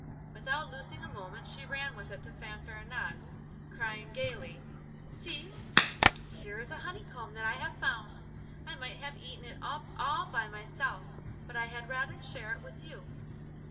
Without losing a moment she ran with it to Fanfaronade, crying gaily: 'See, here is a honeycomb that I have found. I might have eaten it up all by myself, but I had rather share it with you.